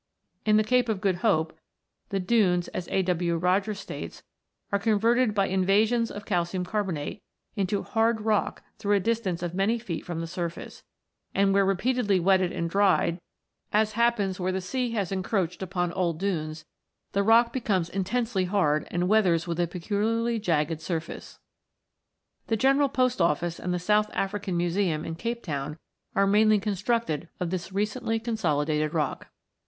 In the Cape of Good Hope (si) the dunes, as A. W. Rogers states, are con verted by invasions of calcium carbonate, " into hard rock through a distance of many feet from the surface, and where repeatedly wetted and dried, as happens in] THE SANDSTONES 63 where the sea has encroached upon old dunes, the rock becomes intensely hard and weathers with a peculiarly jagged surface." The General Post Office and the South African Museum in Cape Town are mainly constructed of this recently consolidated rock.